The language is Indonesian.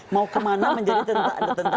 mau kemana menjadi tentara